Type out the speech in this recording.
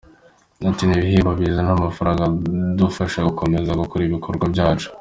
Ati “Ni ibihembo bizana n’amafaranga adufasha gukomeza gukora ibikorwa byacu.